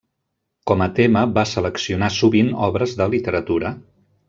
Com a tema, va seleccionar sovint obres de literatura.